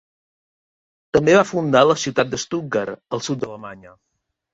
També va fundar la ciutat de Stuttgart al sud d'Alemanya.